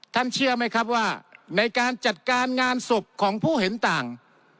เชื่อไหมครับว่าในการจัดการงานศพของผู้เห็นต่าง